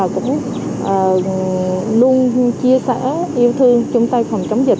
chúng ta còn chống dịch